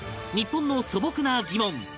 日本の素朴な疑問